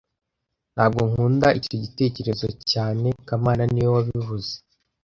Ntabwo nkunda icyo gitekerezo cyane kamana niwe wabivuze